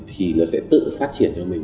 thì nó sẽ tự phát triển cho mình